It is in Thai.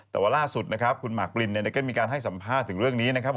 แต่ว่าล่าสุดนะครับคุณหมากปลินก็มีการให้สัมภาษณ์ถึงเรื่องนี้นะครับ